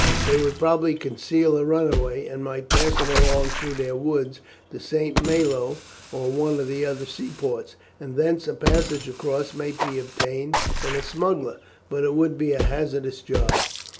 They would probably conceal a runaway, and might pass him along through their woods to St. Malo or one of the other seaports, and thence a passage across might be obtained in a smuggler, but it would be a hazardous job."